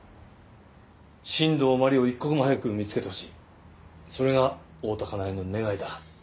新道真理を一刻も早く見つけてほしいそれが大多香苗の願いだ。